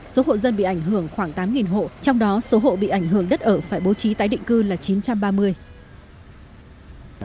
số hộ dân bị ảnh hưởng khoảng tám hộ trong đó số hộ bị ảnh hưởng đất ở phải bố trí tái định cư là chín trăm ba mươi